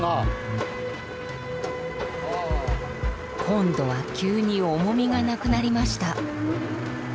今度は急に重みがなくなりました。